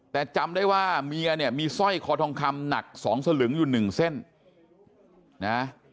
แต่จำได้ว่าเมียเนี่ยมีสร้อยคอทองคำหนักสองสลึงอยู่หนึ่งเส้นนะ